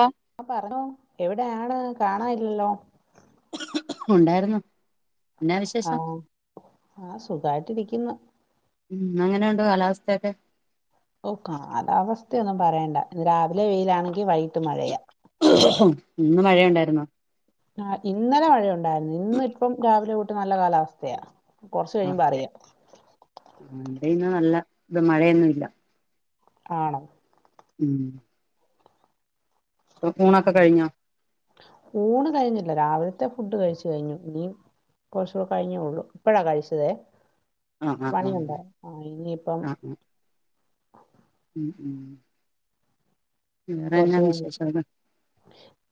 ഓഹ് പറടോ എവിടെയാണ് കാണാല്ലല്ലോ ഉണ്ടായിര്ന്നു ആഹ് അഹ് സുഖായിട്ടിരിക്ക്ന്നു ഉം ഇന്നെങ്ങനെണ്ട് കാലാവസ്ഥക്കെ ഓ കാലാവസ്ഥയൊന്നും പറയണ്ട ഇന്ന് രാവിലെ വെയിലാണെങ്കി വൈകിട്ട് മഴയാ ഇന്ന് മഴയുണ്ടായിരുന്നോ? ആഹ് ഇന്നലെ മഴയുണ്ടായിരുന്നു ഇന്ന് ഇപ്പം രാവിലെ തൊട്ട് നല്ല കാലാവസ്ഥയാ കൊറച്ചു കഴിയുമ്പോ അറിയ വിടെ ഇന്ന് നല്ല മഴയൊന്നുമില്ല [unintelligible] ഉം ഊണൊക്കെ കഴിഞ്ഞോ? ഊണ് കഴിഞ്ഞില്ല രാവിലത്തെ ഫുഡ് കഴിച്ചു കഴിഞ്ഞു ഇനി കൊറച്ചൂടെ കഴിഞ്ഞുള്ളു ഇപ്പഴാ കഴിച്ചതേ ആ ആ ആ പണിയുണ്ട് ആ ഇനിയിപ്പം ആ ഉം ഉം മ് വേറെന്നാ കൊറച്ച് കഴിഞ്ഞിട്ട് വിശേഷവിടെ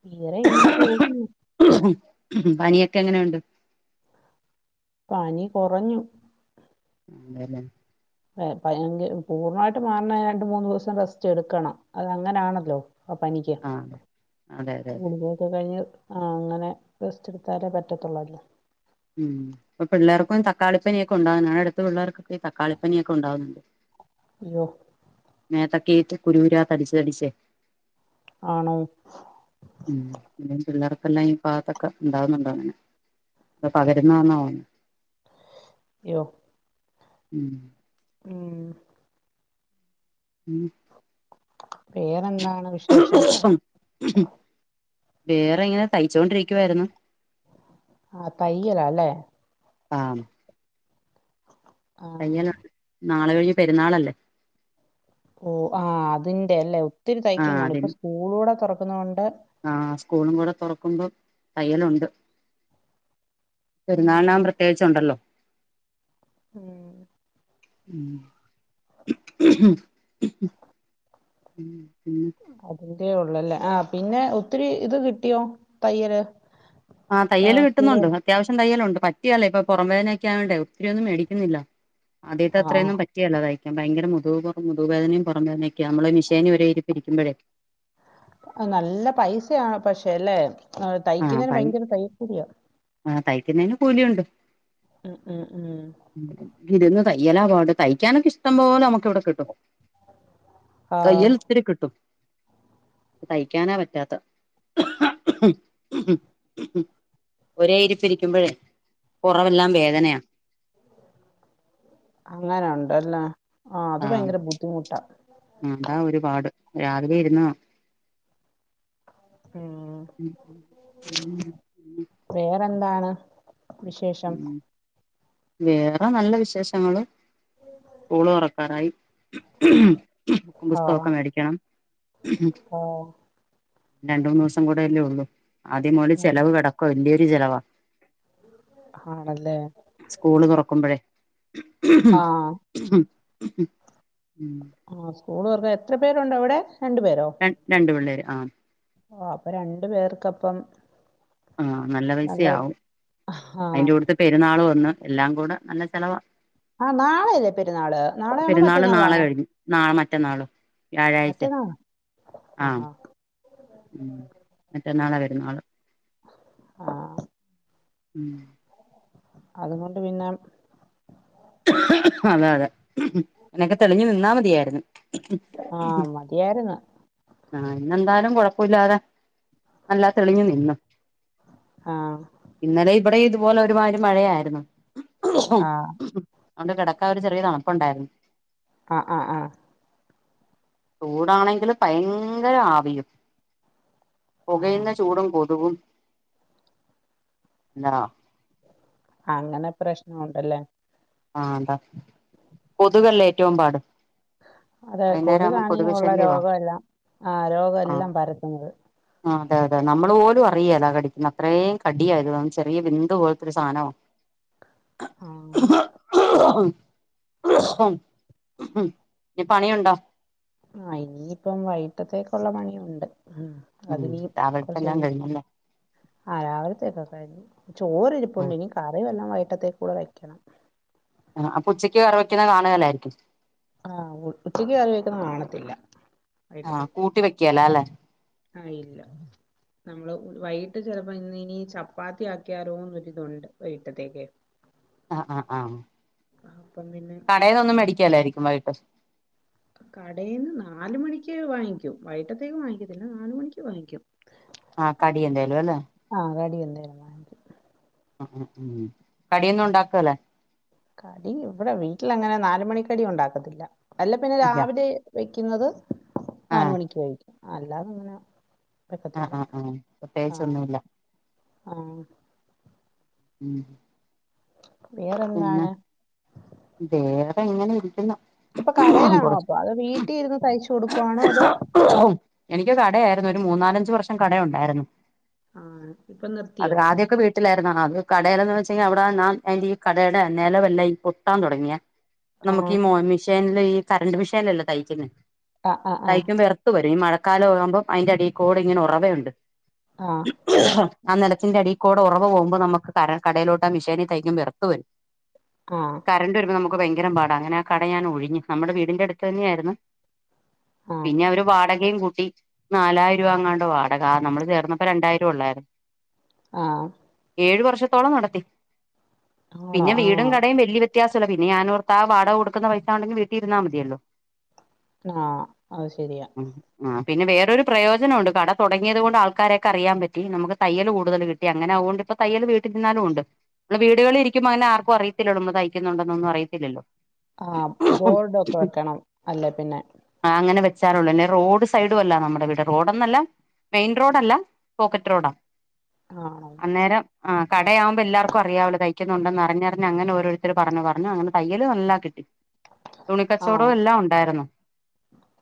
തീരെ ഇങ്ങനെ പോകുന്നു പനിയൊക്കെ എങ്ങനെയുണ്ട്? പനി കൊറഞ്ഞു ആതെല്ലെ പനി പൂർണ്ണമായിട്ട് മാറണെ രണ്ട് മൂന്ന് ദിവസം റെസ്റ്റ് എടുക്കണം അത് അങ്ങനാണല്ലോ അ പനിക്കോ? ആ അതെ അതെ അതെ അതെ ഗുളിക ഒക്കെ കഴിഞ്ഞ് ആ അങ്ങനെ റെസ്റ്റെടുത്താലേ പറ്റത്തുള്ളല്ലോ ഉം ഇപ്പ പിള്ളേർക്കും തക്കാളിപ്പനിയൊക്കെ ഉണ്ടാവുന്നതാണ് ഞങ്ങടെ അടുത്ത പിള്ളേർക്ക തക്കാളിപ്പനിയൊക്കെ ഉണ്ടാവുന്നുണ്ട് [inaudible] അയ്യോ മേത്തക്കെട്ട് കുരുകുരാ തടിച്ച് തടിച്ചേ ആണോ? ഉം പിന്നും പിള്ളേർക്കെല്ലാം ഈ ഭാഗത്തൊക്കെ ഉണ്ടാവുന്നുണ്ടങ്ങനെ ഇത് പകരുന്നന്നതാ തോന്ന അയ്യോ ഉം ഉം മ് ഉം വേറെന്താണ് വിശേഷം? വേറെങ്ങനെ തയ്ച്ചൊണ്ടിരിക്കുവായിരുന്നു ആ തയ്യല അല്ലേ ആം ആ തയ്യൽ ഉണ്ട് നാളെ കഴിഞ്ഞ് പെരുന്നാളല്ലേ ഓ ആ അതിന്റെഅല്ലേ ഒത്തിരി ആ തൈക്കാൻ കാണും അതിന് ഇപ്പൊ സ്കൂളൂടെ തുറക്കുന്ന കൊണ്ട് ആ സ്കൂളും കൂടെ തുറക്കുമ്പോം തയ്യലുണ്ട് ഉം, പെരുന്നാളിനാകുമ്പം പ്രത്യേകിച്ചുണ്ടല്ലോ ഉം [inaudible] ഉം ഉം അതിന്റെ ഉള്ളല്ലേ ആ പിന്നെ ഒത്തിരി ഇത് കിട്ടിയോ തയ്യല് ആ തയ്യല് സ്കൂള് കിട്ടുന്നുണ്ട് തുറ- അത്യാവശ്യം തയ്യലുണ്ട് പറ്റുകേല്ല ഇപ്പൊ പുറം വേദനൊക്കെ ആയോണ്ട ഒത്തിരി ഒന്നും മേടിക്കുന്നില്ല ആദ്യത്തെ ആ ആ അത്രയൊന്നും പറ്റ റ്റ് കേല തയ്ക്കാൻ ഭയങ്കര മുതുക് പുറ മുതുകുവേദനയും പുറംവേദനൊക്ക നമ്മ മിഷിനി ഒരെഇരിപ്പ് ഇരിക്കുമ്പഴേ നല്ല പൈസയാണ പക്ഷേ അല്ലെ ആ തയ്ക്കുന്നതിന് തൈ ഭയങ്കര തയ്യൽ കൂലിയാ ആ തൈക്കുന്നേന് കൂലിയുണ്ട് ഉം ഉം ഉം ഇരുന്ന് തയ്യലാ പാട് തയ്ക്കാനൊക്കെ ഇഷ്ടം പോലെ നമുക്ക് ഇവിടെ കിട്ടും ആ തയ്യൽ ഒത്തിരി കിട്ടും തയ്ക്കാനാ പറ്റാത്ത ഒരേ ഇരിപ്പ് ഇരിക്കുമ്പോഴേ ഉം പൊറവെല്ലാം വേദനയാ അങ്ങനെ ഉണ്ടല്ല ആ അത് ഭയങ്കര ബുദ്ധിമുട്ടാണ് ആ അതാ ഒരുപാട് രാവിലെ ഇരുന്ന ഉം ഉ വേറെന്താണ് വിശേഷം വേറെ നല്ല വിശേഷങ്ങള് സ്കൂള് തുറക്കാരായി ആ പുസ്തകമൊക്കെ മേടിക്കണം ആ രണ്ട മൂന്ന് ദിവസം കൂടെയല്ലേ ഉള്ളൂ ആദ്യം മുതല് ആ, ചെലവ് കിടക്ക കൊല്ലിയൂരി ചെലവാ ആണല്ലേ സ്കൂള് തുറക്കുമ്പോഴേ ആ ആ സ്കൂൾ തുറന്നഎത്ര പേരുണ്ട അവിടെ രണ്ടു പേരോ? രണ്ടു പിള്ളേര് ഓ അപ്പൊ രണ്ടു പേർക്കപ്പം ആഹ നല്ല പൈസയാാവും ആ അതിന്റെ കൂടുത്ത് പെരുന്നാൾ വന്ന് എല്ലാം കൂടെ നല്ല ചെലവാ ആ നാളെയല്ലേ പെരുന്നാള് നാളെയാണോ പെരുന്നാള് നാളെ മറ്റന്നാളാണോ കഴിഞ്ഞു നാളെ മറ്റന്നാള് വ്യാഴായ്ച ആഹഹ മറ്റന്നാളാ പെരുന്നാള് ആഹ ഉം അതുകൊണ്ട് പിന്നെ അതെ അതെ അങ്ങനൊക്കെ തെളിഞ്ഞു നിന്നാ മതിയായിരുന്നു ആഹ മതിയായിരുന്നു ആ ഇന്നെന്തായാലും കുഴപ്പമില്ലാതെ നല്ലാ തെളിഞ്ഞ നിന്നു ആഹ ഇന്നലെ ഇവിടെയും ഇതുപോലെ ഒരുമാതിരി മഴയായിരുന്നു ആഹ് അത് കൊണ്ട് കിടക്കാൻ ഒരു ചെറിയ തണുപ്പുണ്ടായിരുന്നു ആ ചൂടാണെങ്കില് ഭയങ്കര ആവിയും. പുകയുന്ന ആഹ് ചൂടും കൊതുകും എന്നാ ആ അങ്ങനെ പ്രശ്നംണ്ട്ല്ലേ ആ അതാ കൊതുകല്ലേ ഏറ്റവും പാട് അതെ വൈകുന്നേരം ആവുമ്പോ കൊതുകാണീ കൊതുക് ഒള്ള ശല്യവാ രോഗെല്ലാം ആ രോഗെല്ലാം പരത്തുന്നത് ആ അതെ അതെ നമ്മള് പോലും അറിയേലാ കടിക്കുന്ന അത്രേം കടിയായിരുന്നു ചെറിയ വിന്ത് പോലത്തെരു സാധനോ ആ ആഹ് [unintelligible] നി പണിയുണ്ടോ ആ ഇനിയിപ്പം വൈട്ടത്തേക്കുള്ള പണിയുണ്ട് ഉം അതിനി രാവിലത്തെല്ലാം കുറച്ചുകയ് കഴിഞ്ഞല്ലേ ആ രാവുലത്തേക്കെ കഴിഞ്ഞു ആഹ് ചോറിരിപ്പണ്ട്നി കറിവെല്ലാം വൈട്ടത്തേക്കൂടെ വെക്കണം ആ ഉച്ചയ്ക്ക് കറി വയ്ക്ക്ണേ കാണുവായിരിക്കും ആ ഉച്ചക്ക് കറി വെക്ക്ണേ കാണത്തില്ല ആഹ് വൈട്ടത്തേക്ക് കൂട്ടി വെക്കേല അല്ലെ ആ ഇല്ല നമ്മള് വൈകിട്ട് ചെലപ്പോ ഇന്നിനി ചപ്പാത്തി ആക്കിയാലോന്നൊരിതുണ്ട് വൈട്ടത്തേക്ക് ആ അപ്പം പിന്നെ കടേന്നൊന്നും മേടിക്കല്ലായിരിക്കും വൈട്ട് കടയിൽന്ന് നാല്മണിക്ക് വാങ്ങിക്കും വൈട്ടത്തേന് വാങ്ങിക്കത്തില്ല നാല് മണിക്ക് വാങ്ങിക്കും ആഹ് കടി എന്തേലും അല്ലെ ആഹ് കടി എന്തേലും ആഹ് ഉം കടിയൊന്നും ഉണ്ടാക്കൂല്ലേ കടി ഇവിടെ വീട്ടിലങ്ങനെ നാലുമണിക്കടി ഉണ്ടാക്കത്തില്ല അല്ല പിന്നെ ഇല്ല രാവിലെ വെക്കുന്നത് നാല് ആഹ് മണിക്ക് കഴിക്കും അല്ലാതെ ഇങ്ങനെ ആഹ് ആഹ് ആഹ് പ്രത്യേകിച്ചൊന്നുല്ല ആഹ് ഉം പിന്നെ വേറെന്താണ്? വേറെ ഇങ്ങനെ ഇരിക്കുന്നു ഇപ്പൊ കടേലാണോ കൊറച്ച് അപ്പൊ അത് വീട്ടീരുന്ന് തയ്ച്ചു കൊടുക്കുവാണോ അതോ എനിക്ക് കടയായിര്ന്നു ഒരു മൂന്നാലഞ്ച് വർഷം കടയുണ്ടായ്രുന്നു ആഹ് ഇപ്പൊ അത് നിർത്തിയോ? ആദ്യക്കെ വീട്ടിലായിരുന്നു അത് കടേലേന്ന് വെച്ച് കയ്ഞ്ഞാ അവിടെ നാം എന്റീ കടയുടെ നെല വെല്ലാം ഈ പൊട്ടാൻ തുടങ്ങിയേ ആഹ് നമുക്കീ മൊ മിഷീ ഷേൻലീ കറണ്ട് മീഷൈയ്നല്ലേ തയ്ക്കുന്നേ ആഹ് ആഹ് തയ്ക്കുമ്പോ എർ ർത്ത് വരും മഴക്കാലം ആകുമ്പം അയ്ന്റെ അടീക്കൂടെ ഇങ്ങനെ ഒറവയുണ്ട് ആഹ് ആ നിലത്തിന്റെ അടിക്കൂടെ ഒറവ് പോവുമ്പോ നമക്ക് കര കടയിലോട്ട് ആ മിഷേനി തൈക്കുമ്പം എർ ത്ത് വെരും ആഹ് കറണ്ട് വരുമ്പോ നമുക്ക് ഭയങ്കരം പാടാ അങ്ങനെ ആ കട ഞാൻ ഒഴിഞ്ഞു നമ്മുടെ വീടിന്റെ അടുത്തെന്നായിരുന്നു പിന്നെ അവര് വാടകേം കൂട്ടി നാലായിരം രൂപ അങ്ങാണ്ടാ വാടകാ നമ്മള് ചേർന്നപ്പോ രണ്ടായിരം ഒള്ളായ്രുന്നു ആഹ് ഏഴു വർഷത്തോളം നടത്തി ആണോ പിന്നെ വീടും ആഹ് കടേം വലിയ വ്യത്യാസല്ല പിന്നെ ഞാനോർത്താ വാടക കൊടുക്കുന്ന പൈസണ്ടെങ്കി വീട്ടിൽരുന്നാ മതിയല്ലോ ആഹ് അത് ശെരിയാ ആഹ് പിന്നെ വേറൊരു പ്രയോജനം ഒണ്ട് കട തുടങ്ങിയത് കൊണ്ട് ആൾക്കാരൊക്കെ അറിയാൻ പറ്റി നമുക്ക് തയ്യല് കൂടുതല് കിട്ട ട്ടി അങ്ങനെ അവൊണ്ട് ഇപ്പൊ തയ്യല് വീട്ടില് നിന്നാലും ഉണ്ട് നമ്മ വീടുകളിലിരിക്കാ ക്കുമ്പം അങ്ങനെ ആർക്കും അറിയത്തില്ലല്ലൊ നമ്മള് തയ്ക്കുന്നുണ്ടോന്നും അറിയത്തില്ലല്ലോ ആഹ് ബോർഡൊക്കെ വെക്കണം അല്ലേ പിന്നെ ആഹ് അങ്ങനെ വെച്ചാലൊള്ളൂ ന്നെ റോഡ് സൈഡും അല്ല നമ്മളെ വീട് റോഡ്ന്നല്ല മെയിൻ റോഡല്ല പോക്കറ്റ് റോഡാ ആണോ അന്നേരം ആഹ് കടയാവുമ്പോ എല്ലാർക്കും അറിയാവല്ലോ തയ് ക്കുന്നുണ്ടെന്നറിഞ്ഞറിഞ് അങ്ങനെ ഓരോരുത്തര് പറഞ്ഞു പറഞ്ഞു അങ്ങനെ തയ്യല് നല്ലാ കിട്ടി ആഹ് തുണിക്കച്ചോടോം എല്ലാം ഒണ്ടായിരുന്നു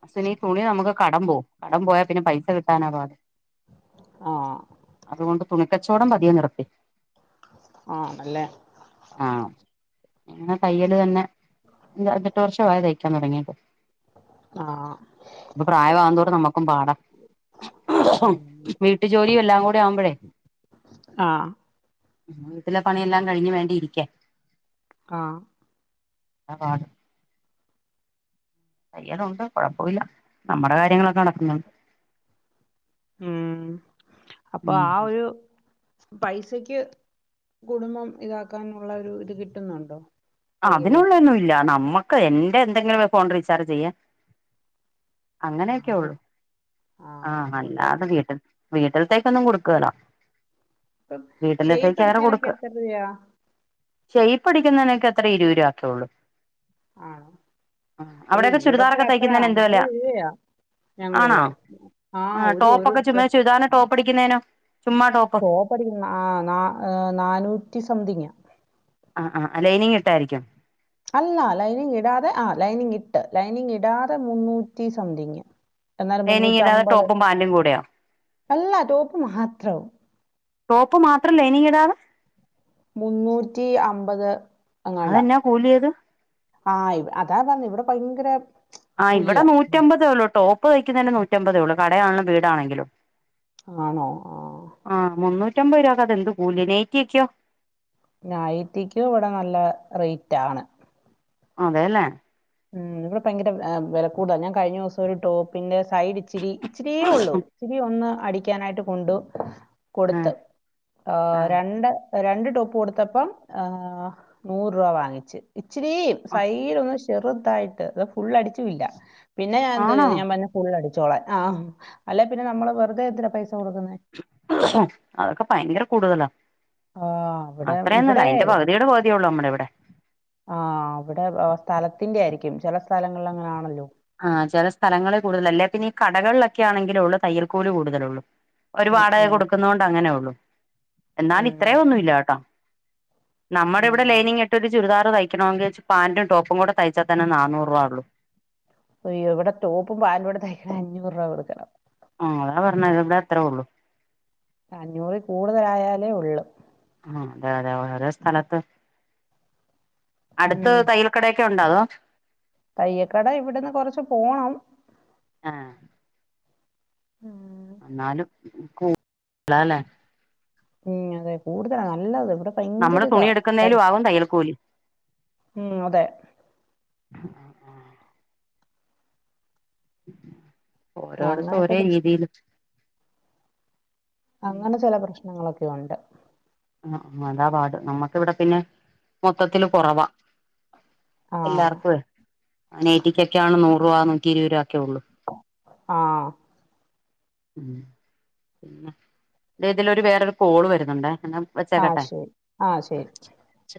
അശ്വനി തുണി നമുക്ക് കടം പോകും കടം പോയാ പിന്നെ പൈസ കിട്ടാനാ പാട് ആഹ് അതുകൊണ്ട് തുണിക്കച്ചവടം പതിയെ നിർത്തി ആണല്ലേ ആഹ് അങ്ങനെ തയ്യല് തന്നെ അഞ്ച് എട്ട് വർഷം ആയി തയ്ക്കാൻ തുടങ്ങിയിട്ട് ആഹ് ഇപ്പൊ പ്രായമാവും തോറും നമുക്കും പാടാ ഉം വീട്ടു ജോലിയും എല്ലാം കൂടെ ആവുമ്പഴേ ആഹ് വീട്ടിലെ പണിയെല്ലാം കഴിഞ്ഞ് വേണ്ടേ ഇരിക്കാൻ ആഹ് ആ [unintelligible] തയ്യലുണ്ട് കൊഴപ്പവില്ല നമ്മുടെ കാര്യങ്ങളൊക്കെ നടക്ക്ന്നുണ്ട് ഉം അപ്പൊ ഉം ആ ഒരു പൈസക്ക് കുടുംബം ഇതാക്കാനുള്ള ഒരു ഇത് കിട്ട്ന്നുണ്ടോ അതിനുള്ളെന്നും ഇല്ല നമ്മക്ക് എന്റെ എന്തെങ്കിലൊര് ഫോൺ റീചാർജെയ്യാ ആഹ് അങ്ങനെ അങ്ങനെയൊക്കെള്ളൂ ആഹ് അല്ലാതെ വീട്ട് വീട്ടിലത്തേക്കൊന്നും കൊടുക്കേലാ പ്പം ഷെയ്പടിക്കാനൊക്കെ എത്ര രൂപയാ ഷെയ്പടിക്കുന്നതിനൊക്കെ എത്രേ ഇരുപത് രൂപ അത്രേള്ളൂ ആണോ ആഹ് അയ്യോ അവിടെയൊക്കെ ഇവിടൊക്കെ ചുരിദാറൊക്കെ അത്ര തയ്ക്കുന്നതിന് എന്താ വെല അമ്പത് രൂപയാ ഞങ്ങടെ ആണോ ഇവിടെ ആഹ് ഒരു ഒരു ടോപ്പൊക്കെ ചുമ്മാ ഡ്രസ് ചുരിദാറിന്റെ ടോപ്പ് അടിക്കുന്നേനോ ചുമ്മാ ടോപ്പ് ടോപ്പടിക്കുന്നതിന് ആഹ് ഏ നാനൂറ്റി സംതിങ്ങാ ആഹ് ആഹ് ലൈനിങ് ഇട്ടായിരിക്കും അല്ല ലൈനിങ് ഇടാതെ ആഹ് ലൈനിങ് ഇട്ട് ലൈനിങ് ഇടാതെ മുന്നൂറ്റി സംതിങ് എന്നാലും ലൈനിങ് മുന്നൂറ്റി ഇടാതെ അമ്പത് ടോപ്പും പാന്റും കൂടെയോ അല്ല ടോപ്പ് മാത്രം ടോപ്പ് മാത്രം ലൈനിങ് ഇടാതെ മുന്നൂറ്റി അമ്പത് എങ്ങാണ്ടാ അതെന്നാ കൂലിയത് ആഹ് ഇ അതാ പറഞ്ഞെ ഇവിടെ ഭയങ്കര ആഹ് ഇവടെ കൂലിയാ നൂറ്റമ്പതേ ഒള്ളൂ ടോപ്പ് തയ്ക്കുന്നതിന് നൂറ്റമ്പതേ ഒള്ളൂ കടയാണെലും വീടാണെങ്കിലും ആണോ ആഹ് ആഹ് മുന്നൂറ്റമ്പത് രൂപയൊക്കെ അതെന്ത് കൂല്യാ നേറ്റിക്ക്യോ നൈറ്റിക്കും ഇവടെ നല്ല റേറ്റാണ് അതെലേ ഉം ഇവിടെ ഭയങ്കര ഏ വെല കൂട്താ ഞാൻ കഴിഞ്ഞ ദിവസൊര് ടോപ്പിൻ്റെ സൈഡ് ഇച്ചിരി ഇച്ചിരിയേ ഒള്ളൂ ഇച്ചിരി ഒന്ന് അടിക്കാനായിട്ട് കൊണ്ടു ആ കൊട്ത്ത് ഏ ആ രണ്ട് രണ്ട് ടോപ്പ് കൊട്ത്തപ്പം ഏ നൂറ് രൂപ വാങ്ങിച്ച് ഇച്ചരീം സൈഡോന്ന് ഷ് ചെറ്തായിട്ട് അത് ഫുള്ള് അടിച്ചും ഇല്ല പിന്നെ ഞാൻ എന്തോ ആണോ ചെയ്ത് ഞാൻ പറഞ്ഞു ഫുള്ളടിച്ചോളാൻ ആഹ് അല്ലെ പിന്നെ നമ്മള് വെറ്തെ എന്തിനാ പൈസ കൊട്ക്കുന്നെ ഉം അതൊക്കെ ഭയങ്കര കൂട്തലാ ആഹ് അവിടെ അത്രയൊന്നുല്ല ഇവിടെ അയിന്റെ പകുതിയുടെ പകുതി ഒള്ളൂ നമ്മടെ ഇവിടെ ആഹ് ഇവിടെ സ്ഥലത്തിന്റെ ആയിരിക്കും ചെല സ്ഥലങ്ങളിൽ അങ്ങനെയാണല്ലോ ആഹ് ചെല സ്ഥലങ്ങളിൽ കൂടുതലാ അല്ലേ പിന്നെ ഈ കടകളിലൊക്കെ ആണെങ്കിലൊള്ളൂ തയ്യൽക്കൂലി കൂടുതലൊള്ളു ഓര് ഉം വാടക ഉം കൊട്ക്കുന്നോണ്ട് അങ്ങനെ ഒള്ളു ഉം എന്നാല് ഇത്രയൊന്നുല്ല ട്ടോ നമ്മടെ ഉം ഇവിടെ ലൈനിങ് ഇട്ടിട്ട് ചുരിദാറ് തയ്ക്കണെങ്കിൽ പാന്റും ടോപ്പും കൂടെ തയ്ച്ചാ തന്നെ നാനൂറ് രൂപാ ഒള്ളൂ അയ്യോ ഇവിടെ ടോപ്പും പാൻും കൂടെ തയ്ക്കണെങ്കിൽ അഞ്ഞൂറ് രൂപ കൊടുക്കണം ആഹ് അതാ പറഞ്ഞത് ഇവടെ അത്ര ഒള്ളൂ അഞ്ഞൂറിൽ കൂടുതലായാലേ ഒള്ളു ആഹ് അതെ അതെ ഓരോ സ്ഥലത്ത് അടുത്ത് ഉം തയ്യൽ കടയൊക്കെ ഉണ്ടോ അതോ തയ്യക്കട ഇവിടെന്ന് കൊറച്ച് പോണം ആഹ് ആഹ് എന്നാലും കൂ [inaudible] ലാ ഉം അതെ കൂട്തലാ നല്ലത് ഇവടെ നമ്മള് തുണി എടുക്കുന്നേലും ആവും തയ്യൽക്കൂലി മം അതെ ആഹ് ഓരോടത്ത് അങ്ങനത്തെ ഒരേ പ്രശ്നം രീതിയില് അങ്ങനെ ചല പ്രശ്നങ്ങളൊക്കെ ഉണ്ട് ആഹ് അതാ പാട് നമ്മക്ക് ഇവിടെ പിന്നെ മൊത്തത്തില് കുറവാ ആ എല്ലാർക്കായ് നേറ്റിക്കൊക്കെയാണ് നൂറ് രൂപ നൂറ്റി ഇരുപത് രൂപ ഒക്കെ ഉള്ളൂ ആഹ് മപിന്നെ ഇതിലരു വേറൊരു കോള് വരുന്നുണ്ടേ വെച്ചേക്കട്ടെ ആഹ് ശരി ആ